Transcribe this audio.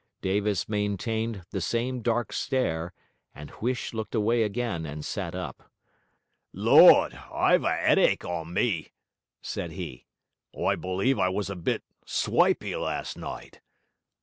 Davis maintained the same dark stare, and Huish looked away again and sat up. 'Lord, I've an 'eadache on me!' said he. 'I believe I was a bit swipey last night.